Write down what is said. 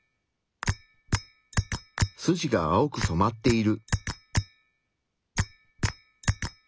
筋が青く染まっている。